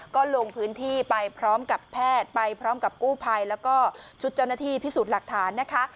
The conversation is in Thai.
ก็ลงพื้นที่ไปพร้อมกับแพทย์ไปพร้อมกับกู้ภัยแล้วก็ชุดเจ้าหน้าที่พิสูจน์หลักฐานนะคะ